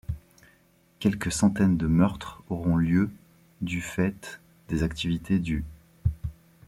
Quelques centaines de meurtres auront lieu du fait des activités du '.